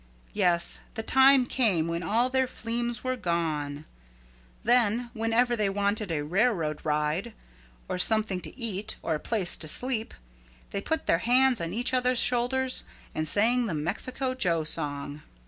Yes, the time came when all their fleems were gone. Then whenever they wanted a railroad ride or something to eat or a place to sleep, they put their hands on each other's shoulders and sang the Mexico Joe song.